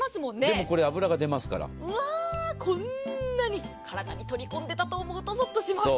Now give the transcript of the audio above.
でも、これは脂が出ますから体に取り込んでいたと思うとぞっとします。